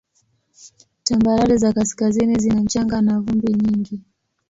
Tambarare za kaskazini zina mchanga na vumbi nyingi.